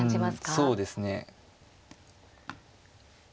うんそうですね。